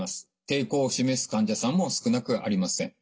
抵抗を示す患者さんも少なくありません。